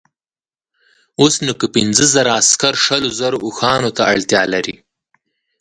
اوس نو که پنځه زره عسکر شلو زرو اوښانو ته اړتیا لري.